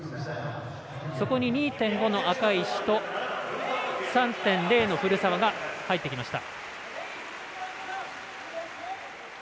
そこに２．５の赤石と３．０の古澤が入ってきました。